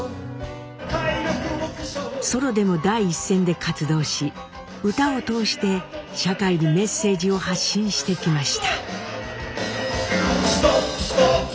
ソロでも第一線で活動し歌を通して社会にメッセージを発信してきました。